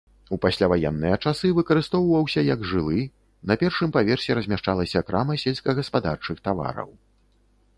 У пасляваенныя часы выкарыстоўваўся як жылы, на першым паверсе размяшчалася крама сельскагаспадарчых тавараў.